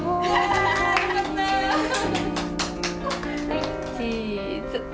はいチーズ。